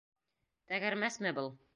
— Тәгәрмәсме был?